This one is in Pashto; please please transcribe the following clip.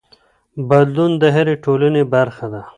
بدلون د هرې ټولنې برخه ده.